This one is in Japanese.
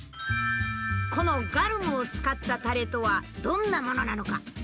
このガルムを使ったタレとはどんなものなのか。